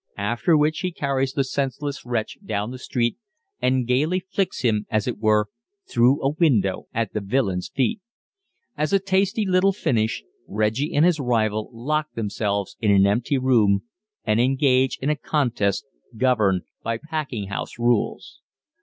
After which he carries the senseless wretch down the street, and gaily flicks him, as it were, through a window at the villain's feet. As a tasty little finish, Reggie and his rival lock themselves in an empty room, and engage in a contest governed by packing house rules.